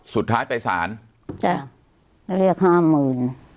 สุดท้ายไปสารจ้ะเรียกห้าหมื่น